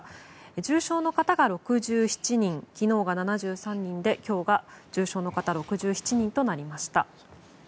重症の方が６７人昨日が７３人で今日が重症の方６７人となりました。